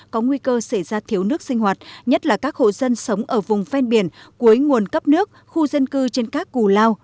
có nguy cơ xảy ra thiếu nước sinh hoạt nhất là các hộ dân sống ở vùng ven biển cuối nguồn cấp nước khu dân cư trên các cù lao